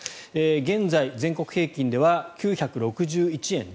現在、全国平均では時給９６１円。